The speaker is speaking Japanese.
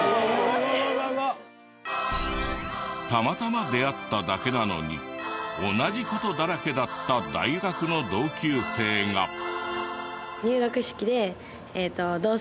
たまたま出会っただけなのに同じ事だらけだった大学の同級生が。